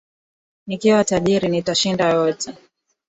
Nikiwa tajiri nitashinda yote.